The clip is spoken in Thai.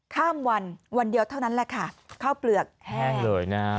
ข้ามวันเท่านั้นแหละค่ะเข้าเปลือกแห้งเลยน่า